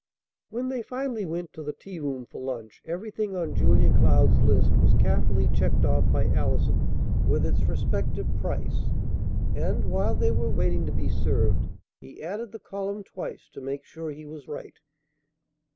When they finally went to the tea room for lunch, everything on Julia Cloud's list was carefully checked off by Allison with its respective price; and, while they were waiting to be served, he added the column twice to make sure he was right.